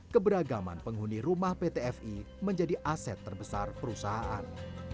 keberagaman penghuni rumah ptfi menjadi aset terbesar perusahaan